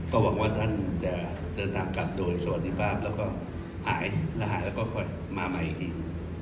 ก็หวังว่าท่านจะเดินทางกลับโดยสวัสดีภาพแล้วก็หายและหายแล้วก็ค่อยมาใหม่อีกที